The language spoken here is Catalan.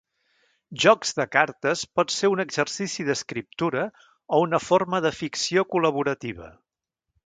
Jocs de cartes pot ser un exercici d'escriptura o una forma de ficció col·laborativa.